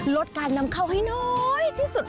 ลดการนำเข้าให้น้อยที่สุด